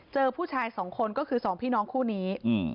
เจอผู้ชาย๒คนก็คือ๒พี่น้องคู่นี้